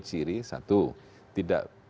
ciri satu tidak